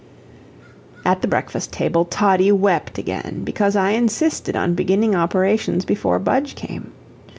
At the breakfast table Toddie wept again, because I insisted on beginning operations before Budge came.